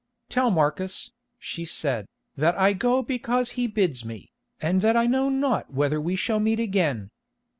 "Tell Marcus," she said, "that I go because he bids me, and that I know not whether we shall meet again.